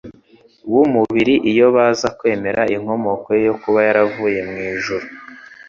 w'umubiri iyo baza kwemera inkomoko ye yo kuba yaravuye mu ijuru